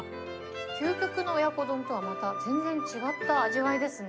究極の親子丼とは、また全然違った味わいですね。